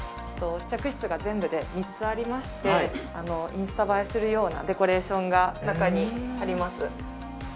試着室が全部で３つありまして、インスタ映えするようなデコレーションが中にあります。